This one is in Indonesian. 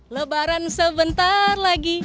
lebaran sebentar lagi